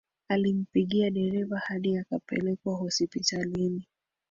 Alimpiga dereva hadi akapelekwa hospitalini